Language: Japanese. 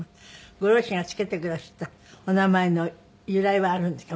ご両親がつけてくだすったお名前の由来はあるんですか？